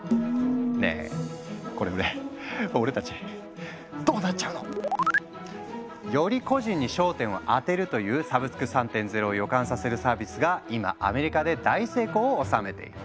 ねえこれで俺たちどうなっちゃうの？より個人に焦点を当てるというサブスク３．０を予感させるサービスが今アメリカで大成功を収めている。